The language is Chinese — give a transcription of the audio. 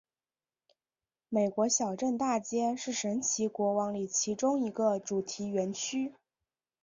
美国小镇大街是神奇王国里其中一个主题园区。